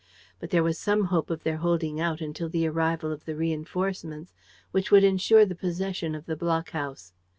But there was some hope of their holding out until the arrival of the reinforcements, which would ensure the possession of the blockhouse.